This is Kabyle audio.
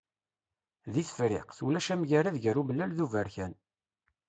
Di Tefriqt, ulac amgarad gar umellal d uberkan.